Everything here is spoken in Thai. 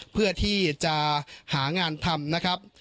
เพื่อที่จะหางานทำนะครับ